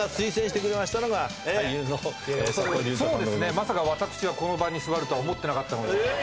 まさか私がこの場に座るとは思ってなかったもので。